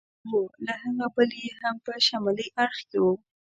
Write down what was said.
بند کړی و، له هغه بل یې هم چې په شمالي اړخ کې و.